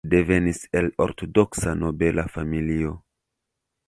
Devenis el ortodoksa nobela familio.